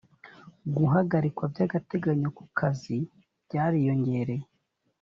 guhagarikwa by’agateganyo ku kazi byariyongereye